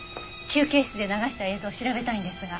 休憩室で流した映像を調べたいんですが。